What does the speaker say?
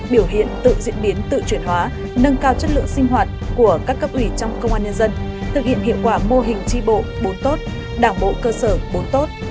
biểu hiện tự diễn biến tự chuyển hóa nâng cao chất lượng sinh hoạt của các cấp ủy trong công an nhân dân thực hiện hiệu quả mô hình tri bộ bốn tốt đảng bộ cơ sở bốn tốt